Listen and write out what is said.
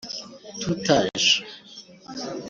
Tout Age